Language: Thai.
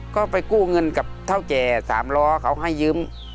ก็ไปกู้เงินกับเท่าแก่๓ล้อเขาให้ยืม